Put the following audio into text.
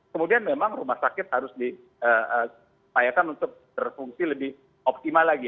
kemudian memang rumah sakit harus dipayakan untuk berfungsi lebih optimal lagi